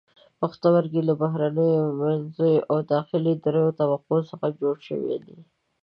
پښتورګي له بهرنیو، منځنیو او داخلي دریو طبقو څخه جوړ شوي دي.